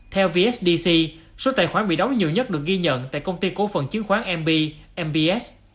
theo vsdc số tài khoản bị đóng nhiều nhất được ghi nhận tại công ty cổ phần chứng khoán mb mbs